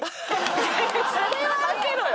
それは開けろよ！